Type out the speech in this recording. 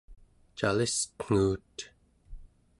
calisten͞guut